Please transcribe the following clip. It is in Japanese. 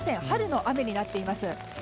春の雨になっています。